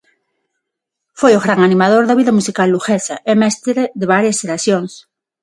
Foi o gran animador da vida musical luguesa e mestre de varias xeracións.